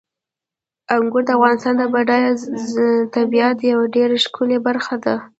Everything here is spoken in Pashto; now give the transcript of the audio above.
انګور د افغانستان د بډایه طبیعت یوه ډېره ښکلې برخه ده.